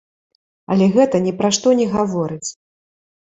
Але гэта ні пра што не гаворыць!